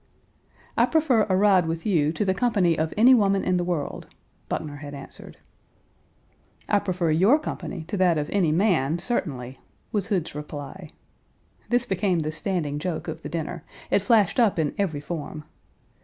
"I prefer a ride with you to the company of any woman in the world," Buckner had answered. "I prefer your company to that of any man, certainly," was Hood's reply. This became the standing joke of the dinner; it flashed up in every form.